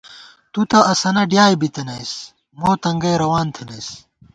تُو تہ اسَنہ ڈیائے بِتَنَئیس مو تنگَئ روان تھنَئیس